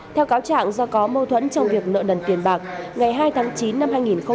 theo cáo trạng do có mâu thuẫn trong việc nợ nần tiền bạc ngày hai tháng chín năm hai nghìn một mươi ba